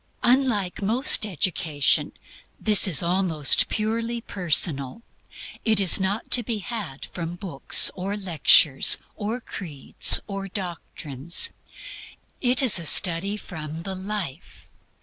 Unlike most education, this is almost purely personal; it is not to be had from books, or lectures or creeds or doctrines. It is a study from the life.